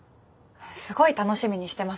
すごい楽しみにしてますよ絶対。